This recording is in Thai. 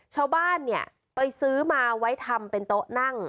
ชาวบ้านเนี่ยไปซื้อมาไว้ทำเป็นโต๊ะนั่ง